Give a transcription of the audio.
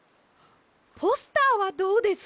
ポスターはどうです？